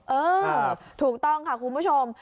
เออถูกต้องค่ะคุณผู้ชม